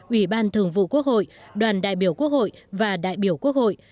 ủy ban thường vụ quốc hội đoàn đại biểu quốc hội và đại biểu quốc hội